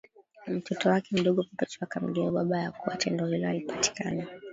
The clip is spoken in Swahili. mtoto wake mdogo Perpetua akamjibu baba ya kuwa tendo hilo halipatani